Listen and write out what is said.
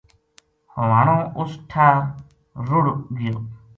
ہوانو اُس ٹھار رُڑ ھ گیو